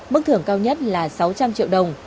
mức thưởng cao nhất là sáu trăm linh triệu đồng